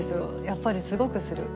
やっぱりすごくする。